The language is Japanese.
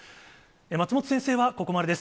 松本先生はここまでです。